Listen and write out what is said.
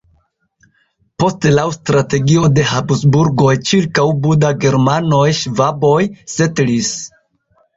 Poste laŭ strategio de Habsburgoj ĉirkaŭ Buda germanoj-ŝvaboj setlis.